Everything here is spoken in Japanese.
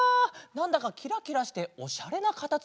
なんだかキラキラしておしゃれなかたつむりだね！